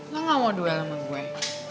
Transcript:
gak mau duel sama gue